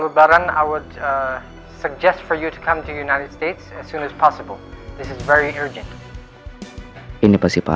apa yang kau inginkan apa